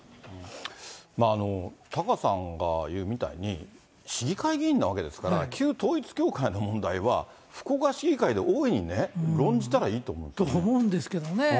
タカさんが言うみたいに、市議会議員なわけですから、旧統一教会の問題は、福岡市議会で大いに論じたらといいと思って。と思うんですけどね。